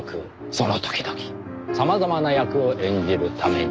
「その時々様々な役を演じるために」。